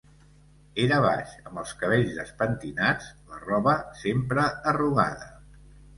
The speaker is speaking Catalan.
Era baix, amb els cabells despentinats, la roba sempre arrugada.